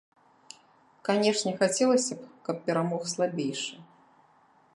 Канечне, хацелася б, каб перамог слабейшы.